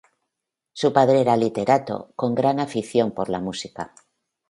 Su padre era literato con gran afición por la música.